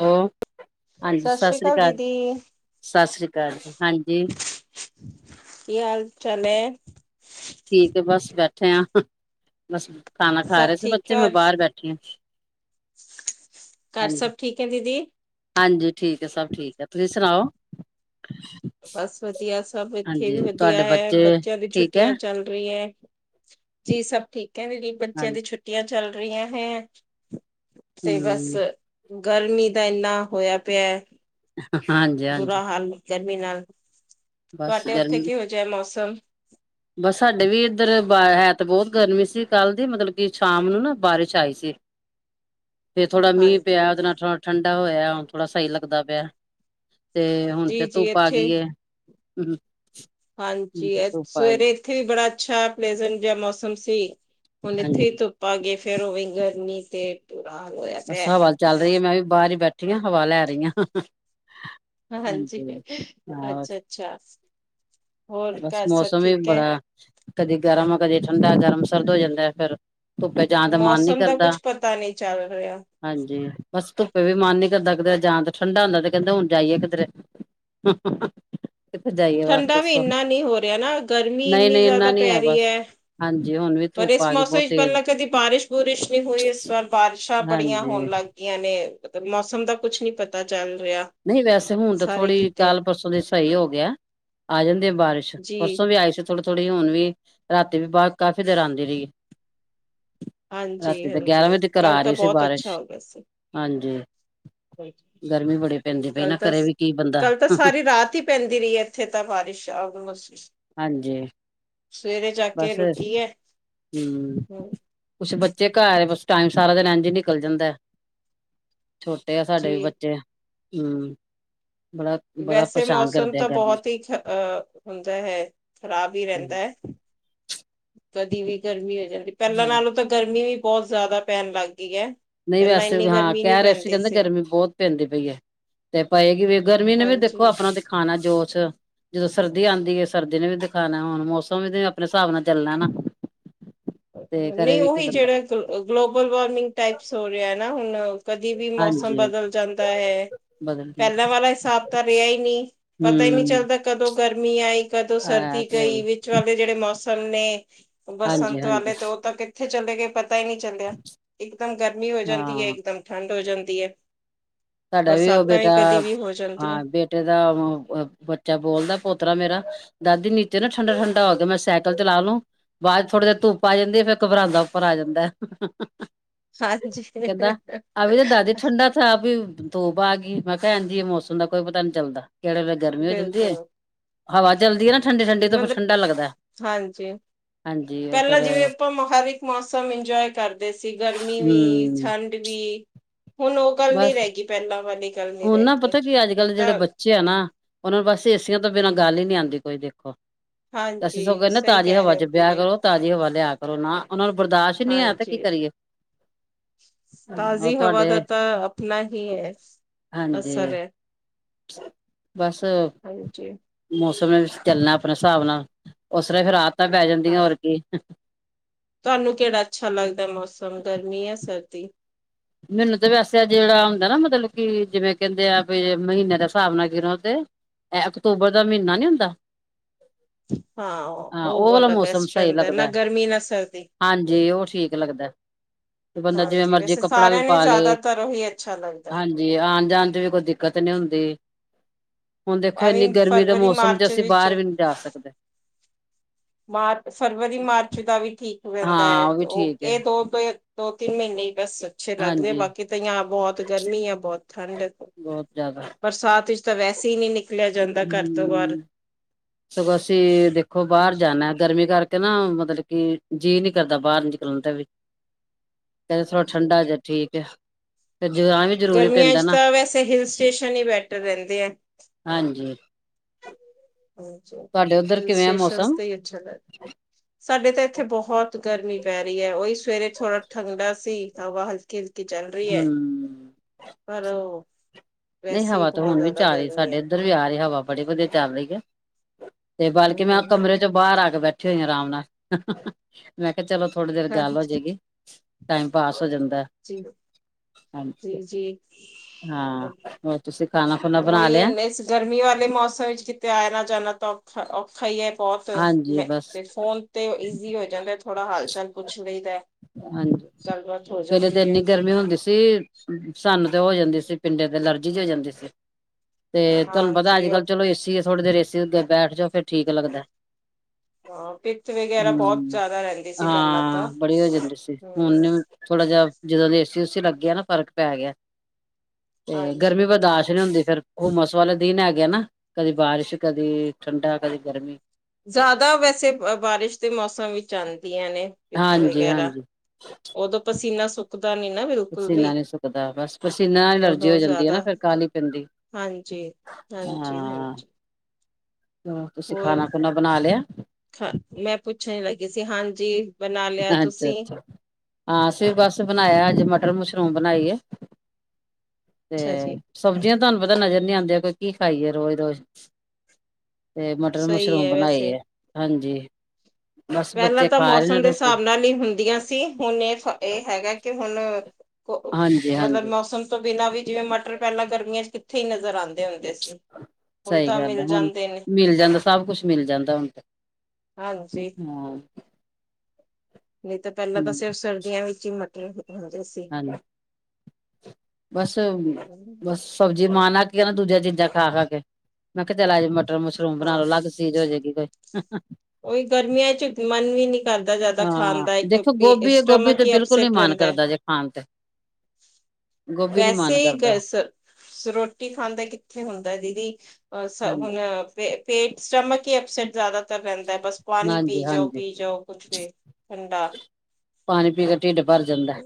ਹਾ। ਹਾਂਜੀ, ਸਤਿ ਸ੍ਰੀ ਅਕਾਲ, ਸਤਿ ਸ੍ਰੀ ਅਕਾਲ ਜੀ, ਹਾਂਜੀ। ਕੀ ਹਾਲ ਚਾਲ ਹੈ ਠੀਕ ਹੈ। ਬੱਸ ਬੈ- ਨੇ ਆ ਬਸ [unintelligible] ਖਾਣਾ ਖਾ ਸਭ ਰਹੇ ਸੀ ਠੀਕ ਬੱਚੇ। ਮੈਂ ਹੈ ਬਾਹਰ ਬੈਠੀ ਹੂ। ਘਰ ਸਭ ਠੀਕ ਹੈ ।ਦੀਦੀ, ਹਾਂਜੀ, ਠੀਕ ਹੈ, ਸਭ ਠੀਕ ਹੈ, ਤੁਸੀਂ ਸੁਣਾਓ? ਬੱਸ ਵਧੀਆ, ਸਭ ਇੱਥੇ ਹਾਂਜੀ ਵੀ ਵਧੀਆ ਤੁਹਾਡੇ ਹੈ। ਬੱਚੇ ਬੱਚਿਆਂ ਦੀ ਠੀਕ ਹੈ ਛੁੱਟੀਆਂ ਚੱਲ ਰਹੀ ਹੈ। ਜੀ, ਸੱਭ ਠੀਕ। ਕਹਿੰਦੇ ਜੀ, ਬੱਚਿਆਂ ਹਾਂਜੀ ਦੀ ਛੁਟੀਆਂ। ਚੱਲ ਰਿਹਾ ਹੈ, ਅ- ਤੇ, ਬੱਸ। ਹਮ ਗਰਮੀ ਦਾ, ਇੰਨਾ ਹੋਇਆ ਪਿਆ ਹੈ। ਹਾਂਜੀ- ਹਾਂਜੀ। ਬੁਰਾ ਹਾਲ ਗਰਮੀ ਨਾਲ। ਬਸ ਤੁਹਾਡੇ ਉੱਥੇ ਗਰਮੀ ਕੀਹੋ ਜਿਹਾ ਹੈ ਮੌਸਮ? [unintelligible] ਬਸ ਸਾਡੇ ਵੀ ਇੱਧਰ ਬਾ ਹੈ ਤਾਂ ਬਹੁਤ ਗਰਮੀ ਸੀ। ਕੱਲ ਦੀ ਮਤਲਬ ਕਿ ਸ਼ਾਮ ਨੂੰ ਨਾ, ਬਾਰਿਸ਼ ਆਈ ਸੀ। ਫੇਰ ਥੋੜਾ ਮੀਂਹ ਪਿਆ। ਹਾਂਜੀ ਉਹਦੇ ਨਾਲ ਥੋੜਾ ਠੰਡਾ ਹੋਇਆ। ਪਿਆ ਹੈ। ਹੁਣ ਥੋੜਾ ਸਹੀ ਲੱਗਦਾ ਪਿਆ। ਤੇ, ਹੁਣ ਜੀ ਫੇਰ ਜੀ ਧੁੱਪ ਆ ਇੱਥੇ ਗਈ ਹੈ। ਹੂੰ। ਹਾਂਜੀ, ਐ ਸਵੇਰੇ ਇੱਥੇ ਵੀ, ਬੜਾ ਅੱਛਾ ਪਲੇਸਂਟ ਜੇਹਾ ਮੌਸਮ ਸੀ। ਹੁਣ, ਇੱਥੇ ਹੀ ਹਾਂਜੀ ਧੁੱਪ ਆ ਗੀਏ। ਫੇ- ਫੇਰ, ਔਵੇਂ ਈ ਗਰਮੀ ਤੇ ਬੁਰਾ ਹਾਲ ਹੋਇਆ ਬੱਸ ਪਿਆ ਹਵਾ ਚੱਲ ਰਹੀ ਏ। ਮੈਂ ਵੀ ਬਾਰ ਈ ਬੈਠ ਠੀਆਂ ਹਵਾ ਲੈ ਰਈਆਂ। ਹਾਂਜੀ, ਹਾਂ ਅੱਛਾ- ਅੱਛਾ। ਹੋਰ, ਬਸ ਘੱਰ ਸਬ ਮੌਸਮ ਵੀ ਠੀਕ ਐ? ਬੜਾ ਕਦੇ ਗਰਮ ਕਦੇ ਠੰਡਾ ਗਰਮ ਸਰਦ ਹੋ ਜਾਂਦੈ ਫੇਰ। ਮੌਸਮ ਦਾ ਕੁਛ ਪਤਾ ਨੀ ਚੱਲ ਰਿਆ। ਹਾਂਜੀ, ਬਸ ਧੁੱਪੇ ਵੀ ਮੱਨ ਕਰਦਾ ਕਿਦਰੇ ਜਾਣ ਤੇ, ਠੰਡਾ ਹੁੰਦੈ ਤੇ ਕੈੰਦੇ ਹੁਣ ਜਾਈਏ ਕਿਧਰੇ। ਜਾਈਏ ਬਸ ਠੰਡਾ ਵੀ ਦੱਸੋ ਇੰਨਾ ਨਹੀਂ ਹੋ ਰਿਆ ਨਾ ਗਰਮੀ ਨਹੀਂ ਇੰਨੀ ਨਹੀਂ ਇੰਨਾ ਜੈਦਾ ਨੀ ਹੈ ਪੈ ਬਸ ਰੀਐ। ਹਾਂਜੀ ਹੁਣ ਵੀ ਪਰ, ਧੁੱਪ ਇਸ ਆ ਗਈ ਮੌਸਮ ਬਹੁਤ ਇਚ ਤੇਜ਼ ਪੈਲਾਂ ਕਦੀ ਬਾਰਿਸ਼ ਬੂਰਿਸ਼ ਨੀ ਹੋਈ, ਇਸ ਵਾਰ ਬਾਰਿਸ਼ਾਂ ਬੜੀਆਂ ਹੋਣ ਹਾਂਜੀ ਲੱਗ ਗਈਆਂ ਨੇ। ਏ ਤੇ ਮੌਸਮ ਦਾ ਕੁਛ ਨੀ ਪਤਾ ਚੱਲ ਰਿਹਾ, ਨਹੀਂ, ਵੈਸੇ ਹੁਣ ਤਾਂ ਸਾਰੇ ਥੋੜ੍ਹੀ ਕਿਤੇ ਕਾਲ ਪਰਸੋਂ ਦੀ ਸਹੀ ਹੋ ਗਿਐ। ਆਜੰ ਦੇ ਬਾਰਿਸ਼ ਜੀ। ਪਰਸੋਂ ਵੀ ਆਈ ਸੀ, ਥੋੜੀ ਥੋੜ੍ਹੀ ਹੁਣ ਵੀ। ਰਾਤੀ ਵੀ ਬਾਦ ਕਾਫ਼ੀ ਦੇਰ ਆੰਦੀ ਰਈ ਏ। ਰਾਤੀ ਤੇ ਹਾਂਜੀ-ਹਾਂਜੀ, ਗਿਆਰਾਂ ਵਜੇ ਤਿਕਰ ਕੱਲ ਆ ਤਾਂ ਰੀਸੀ ਬਹੁਤ ਅੱਛਾ ਬਾਰਸ਼। ਹੋ ਗਿਆ ਸੀ। ਹਾਂਜੀ। ਗਰਮੀ ਬੜੇ ਕੱਲ ਤਸ ਕੱਲ ਤਾਂ ਸਾਰੀ ਰਾਤ ਹੀ ਪੈਂਦੀ ਰਹੀ ਏ, ਐਥੇ ਤਾਂ ਬਾਰਿਸ਼ ਆਲਮੌਸਟ। ਹਾਂਜੀ ਸਵੇਰੇ ਜਾ ਕੇ ਬਸ ਰੁਕੀਐ। ਹਮ ਹੂੰ। ਕੁਛ ਬੱਚੇ ਘਰ ਏ ਬਸ ਟਾਈਮ ਸਾਰਾ ਦੇਨ ਐੰਝ ਈ ਨਿਕਲ ਜਾਂਦੈ। ਛੋਟੇ ਆ ਸਾਡੇ ਵੀ ਜੀ ਬੱਚੇ। ਹੂੰ। ਵੈਸੇ ਮੌਸਮ ਤਾਂ ਬਹੋਤ ਹੀ ਖਹ ਅ ਹੁੰਦਾ ਹੈ, ਖ਼ਰਾਬ ਹੀ ਰੈੰਦੈ। ਕਦੀ ਵੀ ਗਰਮੀ ਹੋਏ। ਜਲਦੀ ਪੈਲਾਂ ਹਾਂ ਨਾਲੋਂ ਤਾਂ ਗਰਮੀ ਵੀ ਬੌਤ ਜੈਦਾ ਪੈਣ ਲੱਗ ਗਈ ਹੈ ਨਹੀਂ ਪਹਿਲਾਂ ਵੈਸੇ ਇੰਨੀ ਵੀ ਹਾਂ ਗਰਮੀ ਨਹੀਂ ਕੈ ਰੇ ਸੀ ਪੈਂਦੀ ਕੈੰਦੇ ਗਰਮੀ ਬਹੁਤ ਪੈਂਦੀ ਪਈ ਐ, ਤੇ ਪਏਗੀ ਵੀ। ਗਰਮੀ ਨੇ ਵੀ ਹਾਂਜੀ ਦੇਖੋ ਅਪਣਾ ਦਿਖਾਣਾ ਜੋਸ਼, ਜਦੋਂ ਸਰਦੀ ਆਂਦੀ ਏ ਸਰਦੀ ਨੇ ਵੀ ਦਿਖਾਣੈ ਹੋਣ ਮੌਸਮ ਵੀ ਤੇ ਅਪਣੇ ਸਾਬ ਨਾਲ ਚੱਲਣੈ ਨਾ। ਤੇ ਕਰੇ ਨਹੀਂ ਵੀ ਕੀ ਔਹੀ ਬੰਦਾ ਜੇੜਾ ਗਲੋ ਗਲੋਬਲ ਵਾਰਮਿੰਗ ਟਾਈਪ। ਸੋ ਰਿਐ ਨਾ ਹੁਣ। ਕਦੇ ਵੀ ਮੌਸਮ ਹਾਂਜੀ ਬਦਲ ਜਾਂਦਾ ਹੈ ਬਦਲਦੀ ਪਹਿਲਾਂ ਵਾਲਾ ਹਿਸਾਬ ਤਾਂ ਰਿਹਾ ਹੀ ਨਹੀਂ ਪਤਾ ਹੀ ਨਹੀਂ ਹੂੰ ਚੱਲਦਾ ਕਦੋਂ ਗਰਮੀ ਆਈ ਕਦੋਂ ਹੈ ਸਰਦੀ ਤੇ ਹੈ ਹੀ ਕਈ ਵਿਚ ਵੇ ਜਿਹੜੇ ਮੌਸ ਸੇ। ਹਾਂਜੀ ਹਾਂਜੀ। ਤੇ ਉਹ ਤਾਂ ਇੱਥੇ ਚਲੇ ਗਏ ਪ ਪਤਾ ਹੀ ਨਹੀਂ ਚੱਲਿਆ ਇਕਦਮ ਗਰਮੀ ਹੋ ਜਾਂਦੀ ਹੈ ਹਾਂ ਇਕਦਮ ਠੰਡ ਹੋ ਜਾਂਦੀ ਹੈ। ਸਾਡਾ ਵੀ ਉਹ ਬਰਸਾਤਾਂ ਬੇਟਾ ਕਦੀ ਵੀ ਹੋ ਜਾਂਦੀਆਂ ਹਾਂ ਬੇਟੇ ਦਾ ਬੱਚਾ ਬੋਲਦਾ ਪੋਤਰਾ ਮੇਰਾ ਦਾਦੀ ਨੀਚੇ ਨਾ ਠੰਡਾ-ਠੰਡਾ ਹੋ ਗਿਆ ਮੈਂ ਸਾਈਕਲ ਚਲਾ ਲੂੰ ਬਾਅਦ ਚ ਥੋੜੀ ਦੇਰ ਧੁੱਪ ਆ ਜਾਂਦੀ ਹੈ ਫਿਰ ਘਬਰਾਂਦਾ ਉੱਪਰ ਆ ਜਾਂਦਾ। ਕਹਿੰਦਾ ਹਾਂਜੀ। ਬ ਆ ਗਈ ਮੈਂ ਕਿਹਾ ਹਾਜੀ ਇਹ ਮ ਮੌਸਮ ਦਾ ਕੋਈ ਪਤਾ ਨੀ ਚੱਲਦਾ। ਕਿਹੜੇ ਵੇਲੇ ਗਰਮੀ ਹੋ ਜਾਂਦੀ ਹੈ। ਬਿਲਕੁਲ ਹਵਾ ਚਲਦੀ ਹੈ ਨਾ। ਠੰਡੀ ਠੰਡੀ ਤਾਂ ਫਿਰ ਮਤਲਬ ਠੰਡਾ ਲੱਗਦਾ ਹਾਂਜੀ ਹਾਂਜੀ ਉਹ ਪਹਿਲਾਂ ਫੇਰ ਜਿਵੇਂ ਆਪਾਂ ਹਰ ਇੱਕ ਮੌਸਮ ਇੰਜੋਏ ਕਰਦੇ ਸੀ ਗਰਮੀ ਵੀ ਹੂੰ ਠੰਡ ਵੀ ਹੁਣ ਉਹ ਗੱਲ ਨੀ ਬਸ ਰਹਿ ਗਈ ਪਹਿਲਾਂ ਵਾਲੇ ਹੁਣ ਨਾ ਪਤਾ ਕੀ ਅੱਜ ਕੱਲ੍ਹ ਜਿਹੜੇ ਬੱਚੇ ਆ ਨਾ ਉਹਨਾਂ ਨੂੰ ਬਸ ਏਸੀਆਂ ਤੋਂ ਬਿਨਾਂ ਗੱਲ ਹੀ ਨਹੀਂ ਆਦੀ ਕੋਈ ਦੇਖੋ। ਅਸੀਂ ਹਾਂਜੀ, ਸਗੋਂ ਨਾ ਸਹੀ ਤਾਜ਼ੀ ਕਹਿ ਹਵਾ ਰਹੇ ਹੋ ਚ ਵਿਆਹ ਦੀਦੀ, ਕਰੋ ਤਾਜ਼ੀ ਹਵਾ ਲਿਆ ਕੇ ਕਰਨਾ। ਹਾਂਜੀ ਉਹ ਤਾਜ਼ੀ ਹਵਾ ਤੁਹਾਡੇ ਦਾ ਤਾਂ ਆਪਣਾ ਹੀ ਹੈ। ਹਾਂਜੀ। ਅਸਰ ਹੈ, [unintelligible] ਬਸ ਹਾਂਜੀ। ਮੌਸ ਚੱਲਣਾ ਆਪਣੇ ਹਿਸਾਬ ਨਾਲ ਉਸਨੇ ਫੇਰ ਰਾ ਪੈ ਜਾਂਦੀਆਂ ਹਾਂ, ਹੋਰ ਕੀ। ਤੁਹਾਨੂੰ ਕਿਹੜਾ ਅੱਛਾ ਲੱਗਦਾ ਮੌਸਮ ਗਰਮੀ ਹੈ ਸਰਦੀ ਮੈਨੂੰ ਤਾਂ ਵੈਸੇ ਜਿਹੜਾ ਹੁੰਦਾ ਨਾ ਮਤਲਬ ਕਿ ਜਿਵੇਂ ਕਹਿੰਦੇ ਆ ਵੀ ਮਹੀਨੇ ਦੇ ਹਿਸਾਬ ਨਾਲ ਗਿਨੋ ਤੇ ਇਹ ਅਕਤੂਬਰ ਦਾ ਮਹੀਨਾ ਨੀ ਹੁੰਦਾ। ਹਾਂ ਹਾਂ ਉਹ ਵਾਲਾ ਬਲ ਮੌਸਮ ਸਹੀ ਬੈਸੰਦਰ ਨਾ ਲੱਗਦਾ ਗਰਮੀ ਨਾ ਸਰਦੀ ਹਾਂਜੀ ਉਹ ਠੀਕ ਲੱਗਦਾ ਤੇ ਬੰਦਾ ਜਿਵੇਂ ਹਾਂਜੀ ਮਰਜੀ ਵੈਸੇ ਕੱਪੜਾ ਸਾਰੇ ਪਾ ਲਏ ਹਾਂਜੀ ਆਣ ਜਾਣ ਤੇ ਵੀ ਕੋਈ ਦਿੱਕਤ ਨੀ ਹੁੰਦੀ। ਹੁਣ ਦੇਖੋ ਇੰਨੀ ਐਵੇਂ ਗਰਮੀ ਦੇ ਫਰਵਰੀ, ਮੌਸਮ ਚ ਮਾਰਚ ਅਸੀਂ ਬਾਹਰ ਵੀ ਨਹੀਂ ਜਾ ਸਕਦੇ। ਮਾਰਚ, ਫਰਵਰੀ ਮਾਰਚ ਦਾ ਵੀ ਠੀਕ। ਰਹਿੰਦਾ ਹੈ ਹਾਂ ਵੀ ਉਹ ਠੀਕ ਹੈ ਇਹ ਦੋੋ, ਦੋ ਤਿੰਨ ਮਹੀਨੇ ਹੀ ਬਸ ਅੱਛੇ ਲੱਗਦੇ ਆ ਹਾਂਜੀ ਬਾਕੀ ਤਾਂ, ਬਹੁਤ ਗਰਮੀ ਹੈ ਬਹੁਤ, ਠੰਡ ਤੋਂ ਬਹੁਤ ਜ਼ਿਆਦਾ ਬਰਸਾਤ ਤਾਂ ਵੈੇ ਹੀ ਨਹੀਂ ਨਿਕਲ ਹਮ ਸਗੋਂ ਅਸੀਂ ਦੇਖੋ ਬਾਹਰ ਜਾਂਦਾ ਗਰਮੀ ਕਰਕੇ ਨਾ ਮਤਲਬ ਕਿ ਜੀਅ ਨੀ ਕਰਦਾ ਬਾਹਰ ਨ ਨਿਕਲਣ ਦਾ ਵੀ ਕਹਿੰਦੇ ਥੋੜਾ ਠੰਡਾ ਜਿਹਾ ਠੀਕ ਹੈ ਫਿਰ ਜਾਣਾ ਵੀ ਜਰੂਰੀ ਗਰਮੀਆਂ ਪੈਂਦਾ 'ਚ ਨਾ ਤਾਂ ਵੈਸੇ ਹਿਲ ਸਟੇਸ਼ਨ ਹੀ ਬੈਟਰ ਰਹਿੰਦੇ ਹੈ ਹਾਂਜੀ ਅੱਛਾ ਤੁਹਾਡੇ ਉੱਧਰ ਹਿਲ ਕਿਵੇਂ ਆ ਸਟੇਸ਼ਨ ਮੌਸਮ ਤੇ ਅੱਛਾ ਰਹਿੰਦਾ ਸਾਡੇ ਤਾਂ ਇੱਥੇ ਬਹੁਤ ਗਰਮੀ ਪੈ ਰਹੀ ਹੈ ਉਹੀ ਸਵੇਰੇ ਥੋੜਾ ਠੰਡਾ ਸੀ। ਸਾ ਹਲਕੇ ਹਲ ਕੀ ਚੱਲ ਰਹੀ ਹਮ ਹੈ ਪਰ ਉਹ ਨਹੀਂ ਵੈਸੇ ਹੀ ਹਵਾ ਤੇ ਬਹੁਤ ਹੁਣ ਵੀ ਜ਼ਿਆਦਾ ਜਾ ਆ ਰਹੀ ਗਰਮੀ ਸਾਡੇ ਹੈ। ਇੱਧਰ ਵੀ ਆ ਰਹੀ ਹਵਾ ਬੜੇ ਵਧੀਆ ਚੱਲ ਰਹੀ ਹੈ। ਤੇ ਹਮ ਬਲਕਿ ਮੈਂ ਕਮਰੇ ਹਮ ਚੋਂ ਬਾਹਰ ਆ ਕੇ ਬੈਠਾ ਅੱਛਾ ਆਰਾਮ ਨਾਲ ਮੈਂ ਚਲੋ ਥੋੜੀ ਦੇਰ ਗੱਲ ਹੋ ਹਾਂਜੀ ਜਾਏਗੀ ਟਾਈਮ ਪਾਸ ਹੋ ਜਾਂਦਾ ਜੀ ਹਾਂਜੀ ਜੀ ਜੀ ਹਾਂ ਹੋਰ ਤੁਸੀਂ ਖਾਣਾ ਖੁਣਾ ਬਣਾ ਉਹੀ ਹੈ ਲਿਆ ਇਸ ਗਰਮੀ ਵਾਲੇ ਮੌਸਮ ਵਿੱਚ ਕਿਤੇ ਆਣਾ ਜਾਣਾ ਤਾਂ ਖਾਇਏ ਬਹੁਤ ਹਾਂਜੀ ਮੈ ਬਸ ਤੇ ਫੋਨ ਤੇ ਈਜ਼ੀ ਹੋ ਜਾਂਦਾ ਥੋੜਾ ਹਾਲ ਚੱਲ ਪੁੱਛ ਲਈ ਦਾ ਤਾਂ ਹਾਂਜੀ ਪਲੇ ਤੇ ਹੈ ਇੰਨੀ ਗਰਮੀ ਹੁੰਦੀ ਸੀ ਸਨੂੰ ਹੋ ਜਾਂਦੀ ਸੀ ਪਿੰਡੇ ਤੇ ਐਲਰਜੀ ਜੀ ਹੋ ਜਾਂਦੀ ਸੀ ਤੇ ਤੁਹਾਨੂੰ ਪੱਤਾ ਅੱਜ ਹਾਂਜੀ ਕੱਲ ਉਹ ਚਲੋ ਏਸੀ ਥੋੜੀ ਦੇਰ ਏਸੀ ਤੁਸੀਂ ਉੱਧਰ ਬੈਠ ਜਾਓ ਫਿਰ ਠੀਕ ਲੱਗਦਾ ਹਾਂ ਪਿੱਤ ਵਗੈਰਾ ਬਹੁਤ ਹਮ ਜ਼ਿਆਦਾ ਰਹਿੰਦੀ ਸੀ ਪਹਿਲਾਂ ਤਾਂ ਹਾਂ ਬੜੀ ਹੋ ਜਾਂਦੀ ਹਮ ਹੁਣ ਥੋੜਾ ਜਦੋਂ ਏਸੀ ਏਸੁ ਲੱਗੇ ਨਾ ਫ਼ਰਕ ਪੈ ਗਿਆ ਤੇ ਹਾਂਜੀ ਗਰਮੀ ਬਰਦਾਸ਼ਤ ਹਾਂਜੀ ਨਹੀਂ ਹੁੰਦੀ ਫਿਰ ਹੁਮਸ ਵਾਲੇ ਦਿਨ ਹੈ ਗਿਆ ਨਾ ਕੱਦੇ ਬਾਰਿਸ਼, ਕੱਦੇ ਠੰਡਾ, ਕੱਦੇ ਗਰਮੀਂ। ਜ਼ਿਆਦਾ ਵੈਸੇ ਬਾਰਿਸ਼ ਦੇ ਮੌਸਮ ਵਿੱਚ ਆਉਂਦੀਆਂ ਪਿੱਤ ਹਾਂਜੀ ਵਗੈਰਾ। ਹਾਂਜੀ ਉਦੋਂ ਪ ਪਸੀਨਾ ਸੁਕ ਪਸੀਨਾ ਨਹੀਂ ਸੁੱਕਦਾ ਬਸ ਪਸੀਨਾ ਐਲਰਜੀ ਹੋ ਉਦੋਂ ਜਾਂਦੀ ਹੈ ਨਾ ਜ਼ਿਆਦਾ ਫਿਰ ਕਾਹਲੀ ਪੈਂਦੀ ਹਾਂਜੀ ਹਾਂਜੀ ਹਾ। ਹਾਂਜੀ ਹੋਰ ਲਿਆ ਮੈਂ ਪੁੱਛਣ ਲੱਗੀ ਸੀ ਹਾਂਜੀ। ਬਣਾ ਲਿਆ ਤੁਸੀਂ ਅੱਛਾ-ਅੱਛਾ ਹਾਂ ਅਸੀਂ ਬੱਸ ਬਣਾਇਆ ਅੱਜ ਮਟਰ ਮਸ਼ ਬਨਾਈ ਏ। ਤੇ ਅੱਛਾ ਜੀ ਸਬਜ਼ੀਆਂ ਤੁਹਾਨੂੰ ਪੱਤਾ ਨਜ਼ਰ ਨਹੀਂ ਆਦੀਆਂ ਕੋਈ ਕੀ ਖਾਈਏ ਰੋਜ਼-ਰੋਜ਼। ਤੇ ਸਹੀ ਮਟਰ-ਮਸ਼ਰੂਮ ਬਣਾਈ ਵੈਸੇ ਹੈ ਹਾਂਜੀ। [unintelligible] ਬਸ ਪਹਿਲਾਂ ਬੱਚੇ ਤਾਂ ਖਾ ਰਹੇ ਨੇ ਮੌਸਮ ਦੇ ਰੋਟੀ ਸਾਬ ਨਾਲ ਹੀ ਹੁੰਦੀਆਂ ਸੀ ਹੁਣ ਇਹ ਇਹ ਹੈਗਾ ਕਿ ਹੁਨ ਹੱ ਹਾਂਜੀ [unintelligible] ਮੱਤਲਬ ਹਾਂਜੀ ਮੌਸਮ ਤੋਂ ਬਿਨਾਂ ਵੀ ਜਿਵੇਂ ਮੱਟਰ ਪਹਿਲਾਂ ਗਰਮੀਆਂ ਚ ਕਿੱਥੇ ਨੱਜ਼ਰ ਆ ਸੱਹੀ ਗੱਲ ਹੈ ਹੁਣ ਜਾਂਦੇ ਨੇ ਮਿਲ ਜਾਂਦਾ ਸਭ ਕੁਛ ਮਿਲ ਜਾਂਦਾ ਹੁਣ ਤੇ ਹਾਂਜੀ ਹਾਂ। ਨਹੀਂ ਤਾਂ ਪਹਿਲਾਂ ਤਾਂ ਸਿਰਫ ਸਰਦੀਆਂ ਵਿੱਚ ਹੀ ਮ ਤੇ [unintelligible] ਹੈਲੋ ਬੱਸ-ਬੱਸ ਸਬਜ਼ੀ ਮਨ ਅਕ ਨਾ ਦੂਜੀਆਂ ਚੀਜ਼ਾਂ ਖਾ-ਖਾ ਕੇ ਮੈਂ ਕਿਹਾ ਚਲ ਅਜ ਮ ਮਟਰ-ਮਸ਼ਰੂਮ ਬਣਾ ਲਓ ਹਾਂ ਅਲੱਗ ਚੀਜ਼ ਹੋ ਜਾਏਗੀ ਕੋਈ। ਹਾ-ਹਾ ਉਹੀ ਗਰਮੀਆਂ ਚ ਮਨ ਵੀ ਨਹੀਂ ਕਰਦਾ ਜ਼ਿਆਦਾ ਖਾਣ ਦਾ ਹਾਂ ਦੇਖੋ ਕਿਉਕਿ ਗੋਭੀ ਗੋਭੀ ਸਟਮਕ ਤੇ ਹੀ ਬਿਲਕੁਲ ਨੀ ਅਪਸੈਟ ਮਨ ਰਹਿੰਦਾ। ਕਰਦਾ ਜੇ ਖਾਣ ਤੇ ਗੋਭੀ ਨੀ ਵੈਸੇ ਮਨ ਹੀ ਕਰਦਾ ਗੈਸ ਰੋਟੀ ਖਾਂਦਾ ਕਿੱਥੇ ਹੁੰਦਾ। ਦੀਦੀ। ਸ ਹਾਂਜੀ ਹੁਨ ਪੇਟ ਸਟਮਕ ਕੀ ਅਪਸੈਟ ਜ਼ਿਆਦਾਤਰ ਦਾ ਬਸ ਪਾਣੀ ਹਾਂਜੀ ਪੀ, ਜਾਓ ਹਾਂਜੀ ਪੀ ਜਾਓ ਕੁਛ ਵੀ ਠੰਡਾ। ਪਾਣੀ ਪੀ ਕੇ ਢਿੱਡ ਭਰ ਜਾਂਦਾ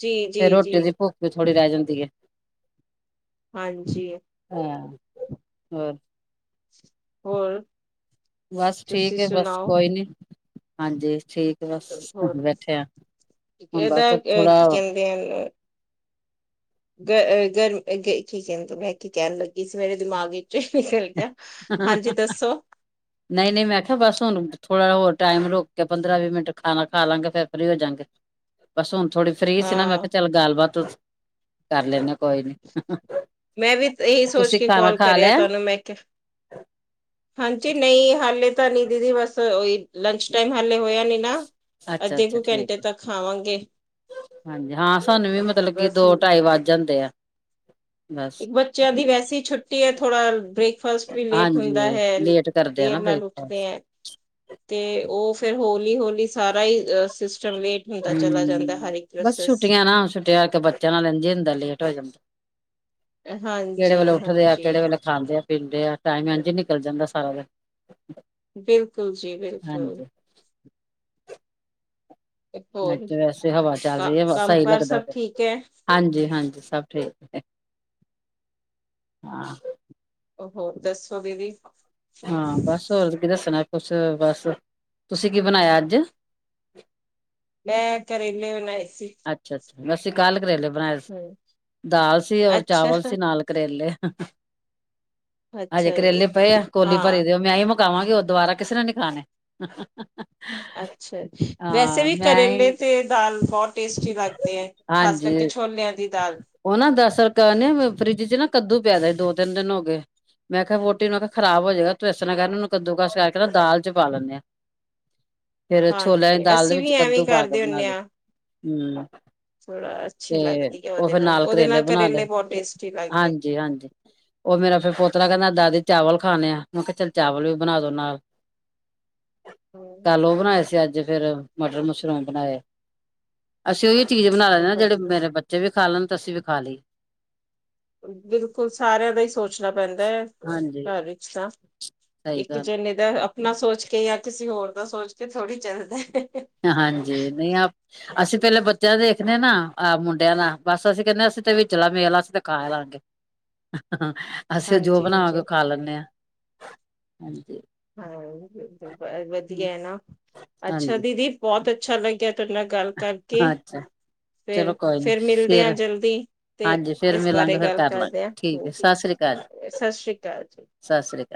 ਜੀ ਜੀ ਜੀ ਥੋੜੀ ਰਹਿ ਜਾਂਦੀ ਹੈ ਹਾਂਜੀ ਹਮ ਹੋਰ ਬਸ ਠੀਕ ਤੁਸੀਂ ਹੈ ਬਸ ਸੁਣਾਓ ਕੋਈ ਨੀ ਹਾਂਜੀ ਠੀਕ ਬਸ ਹੋਰ ਬੈਠੇਿਆ ਹੁਣ ਬਸ ਇਹਦਾ ਅਹ, ਥੋੜਾ ਕੀ ਕਹਿੰਦੇ ਗਰਮ ਕ ਬੈਖੀ ਕਹਿਣ ਲੱਗੀ ਸੀ ਮੇਰੇ ਦਿਮਾਗ ਵਿੱਚ ਨਿਕਲ ਗਿਆ ਹਾਂਜੀ ਦੱਸੋ ਨਹੀਂ ਨਹੀਂ ਮੈਂ ਆਖਿਆ ਬਸ ਹੁਣ ਥੋੜਾ ਜ ਹੋਰ ਟਾਈਮ ਰੋ ਕੇ ਪੰਦਰਾਂ ਵੀਹ ਮਿੰਟ ਖਾਣਾ ਖਾ ਲਵਾਂਗੇ ਫੇਰ ਫਰੀ ਹੋ ਜਾਂਗੇ ਬਸ ਹੁਣ ਥੋੜੀ ਫਰੀ ਸੀ ਨਾ ਮੈਂ ਹਾਂ ਕਿਹਾ ਚੱਲ ਗੱਲ ਬਾਾਤ ਕਰ ਲੈਂਦੇ ਕੋਈ ਨੀ ਮੈਂ ਵੀ ਇਹੀ ਸੋਚ ਤੁਸੀਂ ਕੇ ਖਾਣਾ ਕਾਲ ਖਾ ਕਰਿਆ ਲਿਆ ਤੁਹਾਨੂੰ ਮੈਂ ਹਾਂਜੀ ਨਹੀਂ ਹਾਲੇ ਨੀ ਦੀਦੀ ਬਸ ਉਹੀ ਲੰਚ ਟਾਈਮ ਹਾਲੇ ਹੋਇਆ ਨੀ ਨਾ ਅੱਛਾ ਅੱਧੇ ਅੱਛਾ ਕੁ ਘੰਟੇ ਠੀਕ ਹੈ ਤੱਕ ਖਾਵਾਂਗੇ ਹਾਂਜੀ ਹਾਂ ਸਾਨੂੰ ਵੀ ਮਤਲਬ ਕਿ ਬਸ ਦੋ ਢਾਈ ਵੱਜ ਜਾਂਦੇ ਆ ਬਸ ਇੱਕ ਬੱਚਿਆਂ ਦੀ ਵੈਸੇ ਛੁੱਟੀ ਹੈ ਥੋੜਾ ਬ੍ਰੇਕ ਫਸ ਵੀ ਲੇਟ ਹੁੰਦਾ ਹਾਂਜੀ ਹੈ ਲੇਟ ਕਰਦੇ ਆ ਨਾ ਦੇਰ ਨਾਲ ਉੱਠਦੇ ਬ੍ਰੇਕਫਾਸਟ ਹੈ ਤੇ ਉਹ ਫੇਰ ਹੋਲੀ ਹੋਲੀ ਸਾਰਾ ਹੀ ਲੇਟ ਹੁੰਦਾ ਚਲਾ ਜਾਂਦਾ ਹਮ ਹਰ ਇੱਕ ਬਸ ਪ੍ਰੋਸੈਸ ਛੁੱਟੀਆਂ ਨਾ ਛੁੱਟੀਆਂ ਕਰਕੇ ਬੱਚਿਆਂ ਨਾਲ ਰੰਝ ਹਦਾ ਲੇਟ ਹੋ ਜਾਂਦਾ ਕਿਹੜੇ ਹਾਂਜੀ ਵੇਲੇ ਉੱਠਦੇ ਆ ਹਾਂਜੀ ਕਿਹੜੇ ਵੇਲੇ ਖਾਂਦੇ ਆ ਪੀਂਦੇ ਆ ਟਾਈਮ ਇੰਝ ਨਿਕਲ ਜਾਂਦਾ ਸਾਰਾ ਦਿਨ ਬਿਲਕੁਲ ਜੀ ਬਿਲਕੁਲ ਹਾਂਜੀ ਅੱਜ ਹੋਰ ਤਾਂ ਵੈਸੇ ਹਵਾ ਚੱਲ ਕ- ਰਹੀ ਹੈ ਕੰਮ ਸਹੀ ਕਾਰ ਲੱਗਦਾ ਸਭ ਠੀਕ ਹੈ ਹਾਂਜੀ ਹਾਂਜੀ ਸਭ ਠੀਕ ਹਾਂ ਉਹੋ ਦੱਸੋ ਬਦੀ ਹਾਂ ਬਸ ਹੋਰ ਕੀ ਦੱਸਣਾ ਕੁਛ ਬਸ ਤੁਸੀਂ ਕੀ ਬਣਾਇਆ ਅੱਜ ਮੈਂ ਕਰੇਲੇ ਬਣਾਏ ਸੀ ਅੱਛਾ ਅਸੀਂ ਕੱਲ ਕਰੇਲੇ ਬਣਾਏ ਹਮ ਦਾਲ ਸੀ ਔਰ ਚਾਵਲ ਅੱਛਾ ਸੀ ਨਾਲ ਕਰੇਲੇ [unintelligible] ਹਜੇ ਅੱਛਾ ਜੀ ਕਰੇਲੇ ਪਏ ਆ ਕੋਲੀ ਭਰੇ ਹਾਂ ਦਿਓ ਮੈਂਈ ਖਾਵਾਂਗੇ ਉਹ ਦੁਬਾਰਾ ਕਿਸੇ ਨੇ ਨੀ ਖਾਣੇ ਅੱਛਾ ਵੈਸੇ ਹਾਂ ਵੀ ਮੈਂ ਕਰੇਲੇ ਹੀ ਤੇ ਦਾਲ ਬਹੁਤ ਟੇਸਟੀ ਲੱਗਦੇ ਹੈ ਖ਼ਾਸ ਹਾਂਜੀ ਕਰਕੇ ਛੋਲਿਆਂ ਦੀ ਦਾਲ ਉਹ ਨਾ ਦਰਅਸਲ ਕਹਨੇ ਫਰਿੱਜ ਚ ਨਾ ਕੱਦੂ ਪੈਦਾ ਦੋ ਤਿੰਨ ਦਿਨ ਹੋ ਗਏ ਮੈਂ ਕਿਹਾ ਆ ਵੋਟੀ ਨੂੰ ਅਖਿਆ ਖਰਾਬ ਹੋ ਜਾਏਗਾ ਤੂੰ ਇਸ ਤਰ੍ਹਾਂ ਕਹਿ ਉਹਨੂੰ ਕੱਦੂ ਕਸ ਕਰਕੇ ਦਾਲ ਚ ਪਾ ਲੈਂਣੇ ਆਾਂ ਫੇਰ ਛੋਲਿਆਂ ਦੀ ਹਾਂਜੀ ਦਾਲ ਦੇ ਅਸੀਂ ਵੀ ਵਿੱਚ ਐਵੇਂ ਹੀ ਕੱਦੂ ਪਾ ਕੇ ਕਰਦੇ ਬਣਾ ਹੁੰਦੇ ਲਏ ਹਾਂ ਹਮ ਥੋੜਾ ਅੱਛੀ ਤੇ ਲੱਗਦੀ ਹੈ ਉਹ ਉਹਦੇ ਫੇਰ ਨਾਲ ਉਹਦੇ ਕਰੇਲੇ ਬਣਾ ਲਏ ਬਹੁਤ ਟੇਸਟੀ ਲੱਗਦੇ ਹਾਂਜੀ ਹਾਂਜੀ ਉਹ ਮੇਰਾ ਫੇਰ ਪੋਤਰਾ ਕਹਿੰਦਾ ਦਾਦੀ ਚਾਵਲ ਖਾਣੇ ਆ ਮੈਂ ਕਿਹਾ ਚੱਲ ਚਾਵਲ ਵੀ ਬਣਾਦੋ ਨਾਲ ਕੱਲ ਹਮ, ਉਹ ਬਣਾਏ ਸੀ ਅੱਜ ਫੇਰ ਮਟਰ ਮ ਬਣਾਏ ਅਸੀਂ ਉਹੀ ਚੀਜ਼ ਬਣਾ ਲੈਦੇ ਜਿਹੜੇ ਵਧੀਆ ਮੇਰੇ ਬੱਚੇ ਵੀ ਖਾ ਲੈਣ ਸਤਿ ਸ਼੍ਰੀ ਅਕਾਲ ਜੀ ਬਿਲਕੁਲ ਸਾਰਿਆਂ ਦਾ ਹੀ ਸੋਚਣਾ ਪੈਂਦਾ ਹੈ ਹਾਂਜੀ। ਘਰ ਵਿੱਚ ਤਾਂ ਸਹੀ ਇੱਕ ਗੱਲ ਜਣੇੇ ਦਾ ਨਾ ਸੋਚ ਕੇ ਜਾਂ ਕਿਸੇ ਹੋਰ ਦਾ ਸੋਚ ਕੇ ਥੋੜ੍ਹੀ ਚੱਲਦਾ। ਹਾਂਜੀ ਨਹੀਂ ਅਸੀਂ ਪਹਿਲੇ ਬੱਚਿਆਂ ਦੇਖਣੇ ਨਾ ਆਹ ਮੁੰਡਿਆਂ ਦਾ ਬਸ ਅਸੀਂ ਕਹਿੰਦੇ ਅਸੀਂ ਤੇ ਵਿਚਲਾ ਮੇਲ ਅਸੀਂ ਤੇ ਖਾ ਲਾਂਗੇ। ਅਸੀਂ ਜੋ ਹਾਂਜੀ ਬਣਾਵਾਂਗੇ ਹਾਂਜੀ ਉਹ ਖਾ ਲੈਂਦੇ ਹਾਂ ਹਾਂਜੀ ਹਾਂ, ਵਧੀਆ ਹੈ ਨਾ ਅੱਛਾ ਹਾਂਜੀ ਦੀਦੀ ਬਹੁਤ ਅੱਛਾ ਲੱਗਿਆ। ਤੁਹਾਡੇ ਨਾਲ ਗੱਲ ਕਰਕੇ, ਅੱਛਾ ਚਲੋ ਫਿਰ ਕੋਈ ਨੀ ਫਿਰ ਮਿਲਦੇ ਆ ਫੇਰ ਜਲਦੀ, ਤੇ ਹਾਂਜੀ ਫੇਰ ਇਸ ਬਾਰੇ ਮਿਲਾਂਗੇ ਫੇਰ ਗੱਲ ਕਰ ਕਰਦੇ ਹਾਂ, ਲਾਂਗੇ। ਠੀਕ ਹੈ ਸਤਿ ਸ੍ਰੀ ਅਕਾਲ ਜੀ ਸਤਿ ਸ੍ਰੀ ਅਕਾਲ ਜੀ। ਸਤਿ ਸ੍ਰੀ ਅਕਾਲ।